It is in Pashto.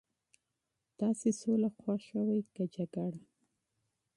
تاسي سوله خوښوئ که جګړه؟